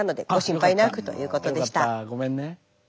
ごめんね。